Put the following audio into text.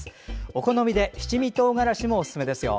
お好みで七味とうがらしもおすすめですよ。